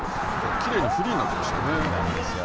きれいにフリーになっていましたよね。